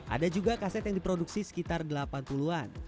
ada juga kaset yang diproduksi sekitar delapan puluh an